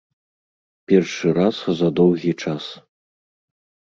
Першы раз за доўгі час.